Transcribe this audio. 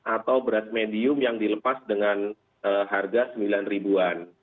atau beras medium yang dilepas dengan harga sembilan ribuan